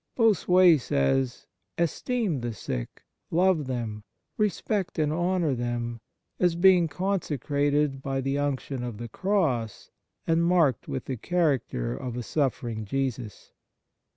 Bossuet says :" Esteem the sick, love them, respect and honour them, as being consecrated by the unction of the Cross and marked with the character of a suffering Jesus."